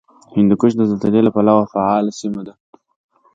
هندوکش د زلزلې له پلوه فعاله سیمه ده